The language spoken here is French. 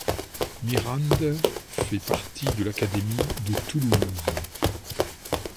Mirande fait partie de l'académie de Toulouse.